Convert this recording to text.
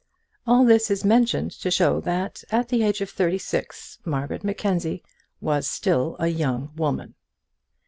All this is mentioned to show that at the age of thirty six Margaret Mackenzie was still a young woman.